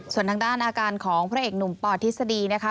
ส่วนทางด้านอาการของพระเอกหนุ่มปทฤษฎีนะคะ